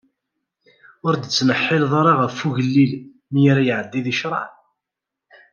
Ur d-ttneḥḥileḍ ara ɣef ugellil, mi ara iɛeddi di ccṛeɛ.